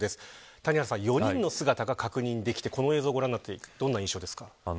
谷原さん、４人の姿が確認できてこの映像を見てどんな印象ですか。